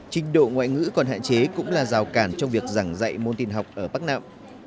trình độ ngoại ngữ còn hạn chế cũng là rào cản trong việc giảng dạy môn tin học ở bắc nam